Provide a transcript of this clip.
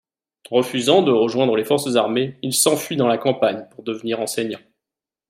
Refusant de rejoindre les forces armées, il s'enfuit dans la campagne pour devenir enseignant.